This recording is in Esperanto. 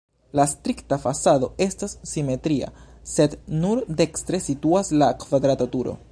La strikta fasado estas simetria, sed nur dekstre situas la kvadrata turo.